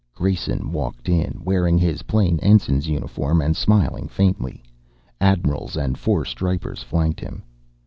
Grayson walked in, wearing his plain ensign's uniform and smiling faintly. Admirals and four stripers flanked him.